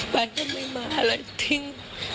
ไปก็ไม่มาเลยทิ้ง